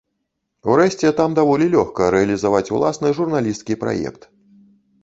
Урэшце, там даволі лёгка рэалізаваць уласны журналісцкі праект.